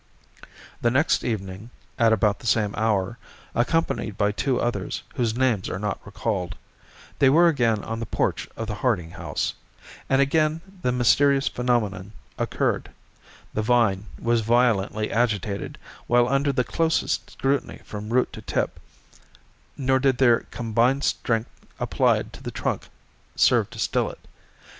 The next evening, at about the same hour, accompanied by two others whose names are not recalled, they were again on the porch of the Harding house, and again the mysterious phenomenon occurred: the vine was violently agitated while under the closest scrutiny from root to tip, nor did their combined strength applied to the trunk serve to still it.